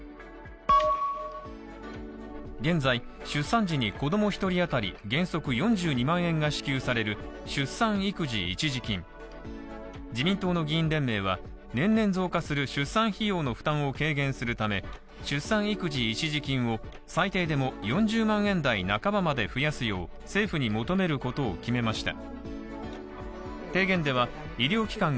現在、出産時に子供１人当たり原則４２万円が支給される出産育児一時金自民党の議員連盟は、年々増加する出産費用の負担を軽減するため、出産育児一時金を最低でも４０万円台半ばまで増やすよう政府に求めることを決めました。